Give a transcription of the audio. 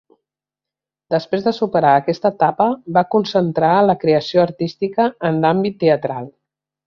Després de superar aquesta etapa, va concentrar la creació artística en l'àmbit teatral.